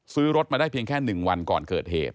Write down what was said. ซื้อรถมาได้เพียงแค่๑วันก่อนเกิดเหตุ